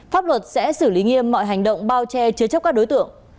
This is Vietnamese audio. pháp luật sẽ xử lý nghiêm mọi hành động bao che chứa chấp các đối tượng